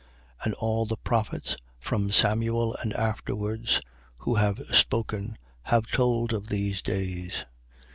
3:24. And all the prophets, from Samuel and afterwards, who have spoken, have told of these days.